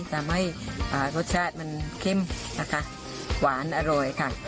ทำให้รสชาติมันเข้มนะคะหวานอร่อยค่ะ